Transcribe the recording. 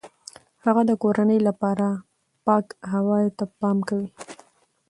هغه د کورنۍ لپاره پاک هوای ته پام کوي.